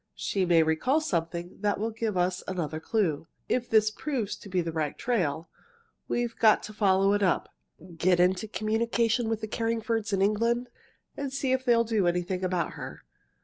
She may recall something that will give us another clue. If this proves to be the right trail, we've got to follow it up, get into communication with the Carringfords in England, and see if they will do anything about her.